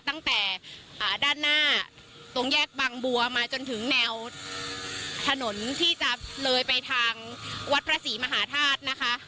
ตั้งแต่ด้านหน้าตรงแยกบางบัวมาจนถึงแนวถนนที่จะเลยไปทางวัดพระศรีมหาธาตุนะคะ